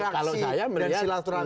kalau saya melihat